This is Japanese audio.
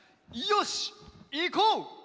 よしいこう！